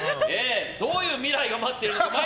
どういう未来が待っているのか。